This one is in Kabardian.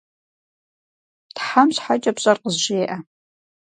Тхьэм щхьэкӏэ пщӏэр къызжеӏэ!